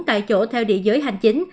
tại chỗ theo địa giới hành chính